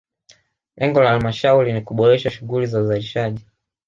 Lengo la halmashauri ni kuboresha shughuli za uzalishaji